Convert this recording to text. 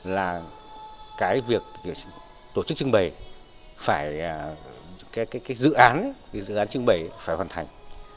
là cái việc tổ chức trưng bày cái dự án trưng bày phải hoàn thành